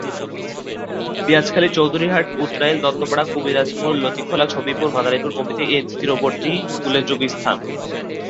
পিয়াজখালি, চৌধুরীরহাট, উৎরাইল, দত্তপাড়া, কবিরাজপুর লতিখোলা, ছবিপুর, মাদারীপুর প্রভৃতি এ নদীর তীরবর্তী উল্লেখযোগ্য স্থান।